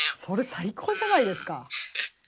それ最高じゃないですか。